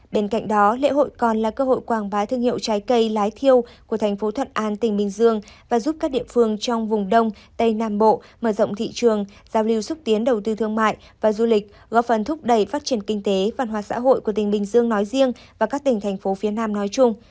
bên cạnh đó lễ hội còn là cơ hội quảng bá thương hiệu trái cây lái thiêu của thành phố thuận an tỉnh bình dương và giúp các địa phương trong vùng đông tây nam bộ mở rộng thị trường giao lưu xúc tiến đầu tư thương mại và du lịch góp phần thúc đẩy phát triển kinh tế văn hóa xã hội của tỉnh bình dương nói riêng và các tỉnh thành phố phía nam nói chung